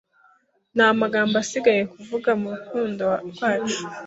Nta magambo asigaye kuvuga murukundo rwacu